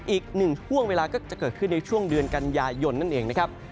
อีกหนึ่งห่วงเวลาก็จะเกิดขึ้นในช่วงเดือนกันยายนนั่นเองนะครับ